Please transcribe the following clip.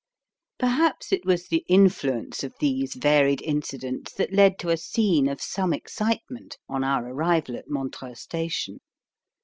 Perhaps it was the influence of these varied incidents that led to a scene of some excitement on our arrival at Montreux station.